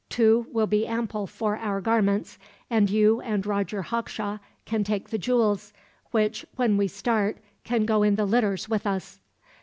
"Two will be ample for our garments, and you and Roger Hawkshaw can take the jewels; which, when we start, can go in the litters with us."